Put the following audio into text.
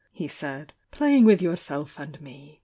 he said— ^layu^ with yourself and me!